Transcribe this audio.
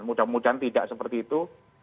mudah mudahan tidak seperti itu